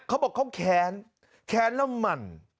เขาบอกเขาแค้นแค้นแล้วหมั่น